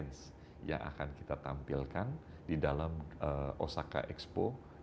dan pengalaman yang akan kita tampilkan di dalam osaka expo dua ribu dua puluh lima